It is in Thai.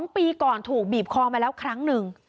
๒ปีก่อนถูกบีบคอมาแล้วครั้งหนึ่ง